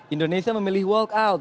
indonesia memilih walkout